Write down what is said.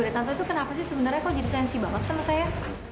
tante kenapa sih sebenarnya kamu jadi sensi banget sama saya